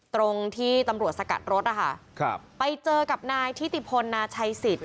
ตรงที่ตำรวจสกัดรถนะคะครับไปเจอกับนายทิติพลนาชัยสิทธิ